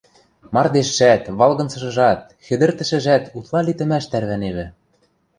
Мардежшӓт, валгынзышыжат, хӹдӹртӹшӹжӓт утла литӹмӓш тӓрвӓневӹ.